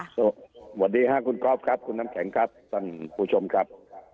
สวัสดีค่ะคุณก๊อฟครับคุณน้ำแข็งครับท่านผู้ชมครับ